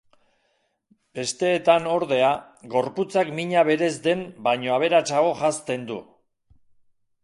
Besteetan, ordea, gorputzak mina berez den baino aberatsago janzten du.